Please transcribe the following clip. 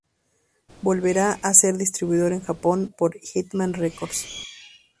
Volverá a ser distribuido en Japón por Hitman Records.